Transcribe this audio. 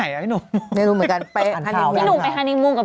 งานพี่โมนดำไงพี่บอกอยู่น่ะว่าไม่หยุดเลยเออเอ้ออ่าว